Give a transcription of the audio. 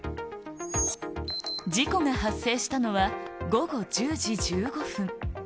事故が発生したのは午後１０時１５分。